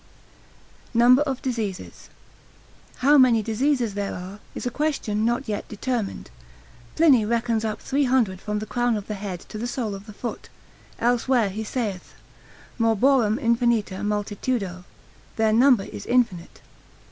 Number of Diseases.] How many diseases there are, is a question not yet determined; Pliny reckons up 300 from the crown of the head to the sole of the foot: elsewhere he saith, morborum infinita multitudo, their number is infinite.